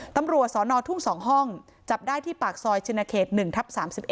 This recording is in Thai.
ตำรวจสนทุ่ง๒ห้องจับได้ที่ปากซอยชินเขต๑ทับ๓๑